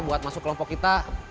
buat masuk kelompok kita